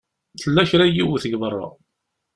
Tella kra n yiwet deg beṛṛa.